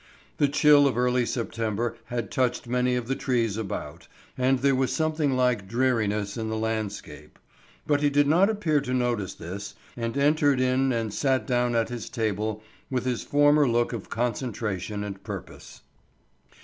The chill of early September had touched many of the trees about, and there was something like dreariness in the landscape. But he did not appear to notice this, and entered in and sat down at his table with his former look of concentration and purpose.